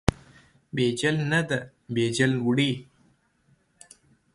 بیجل نه ده، بیجل وړي.